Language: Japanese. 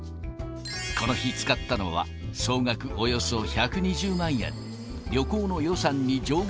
この日使ったのは、総額およそ１２０万円。